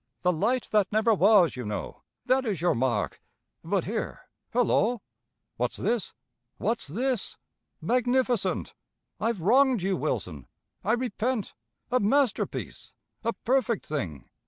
'The light that never was,' you know, That is your mark but here, hullo! What's this? What's this? Magnificent! I've wronged you, Wilson! I repent! A masterpiece! A perfect thing!